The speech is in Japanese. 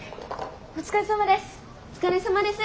お疲れさまです。